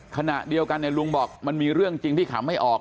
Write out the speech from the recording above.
ขณะเดียวกันลุงบอกมันมีเรื่องจริงที่ขำไม่ออก